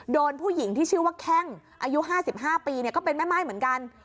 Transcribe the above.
โดนผู้หญิงที่ชื่อว่าแค่งอายุห้าสิบห้าปีเนี่ยก็เป็นแม่ไม่เหมือนกัน